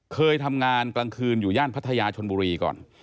เคยทำงานกลางคืนอยู่ย่านพัทยาชนบุรีก่อน